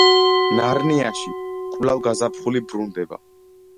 ნარნიაში კვლავ გაზაფხული ბრუნდება.